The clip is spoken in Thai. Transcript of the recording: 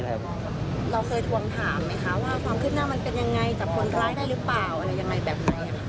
เราเคยทวงถามไหมคะว่าความคืบหน้ามันเป็นยังไงจับคนร้ายได้หรือเปล่าอะไรยังไงแบบไหน